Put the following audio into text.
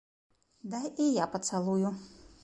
Дай і я пацалую.